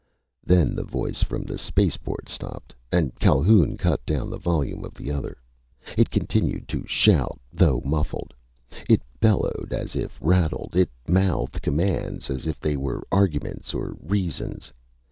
_" Then the voice from the spaceport stopped, and Calhoun cut down the volume of the other. It continued to shout, though muffled. It bellowed, as if rattled. It mouthed commands as if they were arguments or reasons.